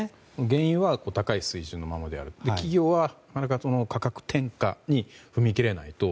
原油は高い水準のままである企業は価格転嫁に踏み切れないと。